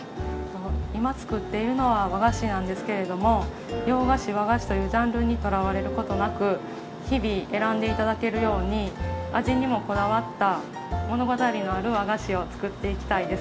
今作っているのは和菓子なんですけれども洋菓子和菓子というジャンルにとらわれることなく日々選んで頂けるように味にもこだわった物語のある和菓子を作っていきたいです。